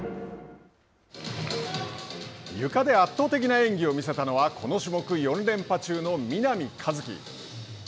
ゆかで圧倒的な演技を見せたのはこの種目４連覇中の南一輝。